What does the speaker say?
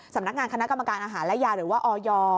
สำนักงานคณะกรรมการอาหารและยาหรือว่าออย